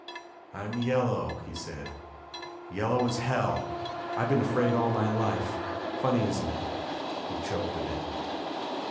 "I'm yellow," he said, "yellow as hell! I've been afraid all of my life. Funny isn't it?" He choked a bit.